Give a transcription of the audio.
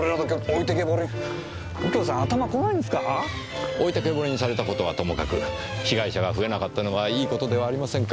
置いてけぼりにされた事はともかく被害者が増えなかったのはいい事ではありませんか。